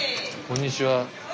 ・こんにちは！